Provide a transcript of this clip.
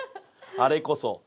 あれこそ。